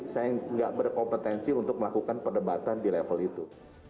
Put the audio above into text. saya tidak berkompetensi untuk melakukan perdebatan di level itu